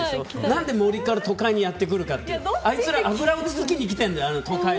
何で森から都会にやってくるかってあいつら都会の油をつつきにきてるんだよ。